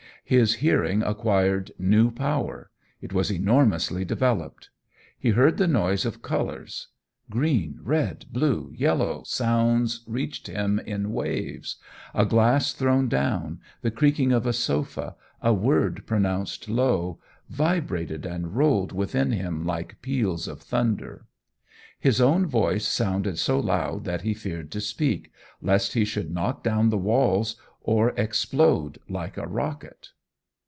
His hearing acquired new power; it was enormously developed. He heard the noise of colours. Green, red, blue, yellow sounds reached him in waves a glass thrown down, the creaking of a sofa, a word pronounced low, vibrated and rolled within him like peals of thunder. His own voice sounded so loud that he feared to speak, lest he should knock down the walls or explode like a rocket.